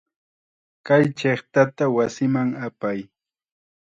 Kay chiqtata wasiman apay.